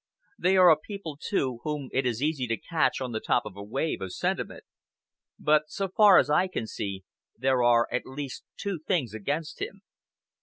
They are a people, too, whom it is easy to catch on the top of a wave of sentiment. But, so far as I can see, there are at least two things against him."